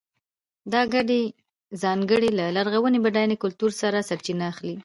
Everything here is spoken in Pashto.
دا ګډې ځانګړنې له لرغوني بډای کلتور څخه سرچینه اخلي.